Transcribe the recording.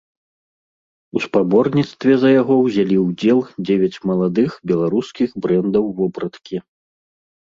У спаборніцтве за яго ўзялі ўдзел дзевяць маладых беларускіх брэндаў вопраткі.